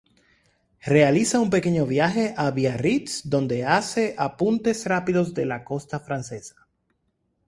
Realiza un pequeño viaje a Biarritz donde hace apuntes rápidos de la costa francesa.